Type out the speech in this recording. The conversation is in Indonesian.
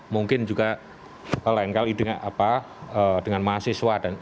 mungkin juga lain kali dengan mahasiswa